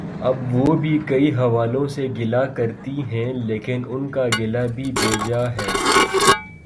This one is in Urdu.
اب وہ بھی کئی حوالوں سے گلہ کرتی ہیں لیکن ان کا گلہ بھی بے جا ہے۔